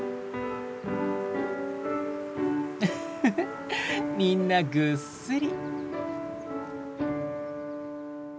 フフフみんなぐっすり。